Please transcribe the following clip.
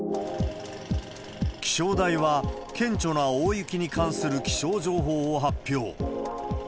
気象台は、顕著な大雪に関する気象情報を発表。